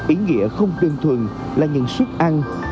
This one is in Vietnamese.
ý nghĩa không đơn thuần là những suất ăn